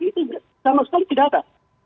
itu sama sekali tidak ada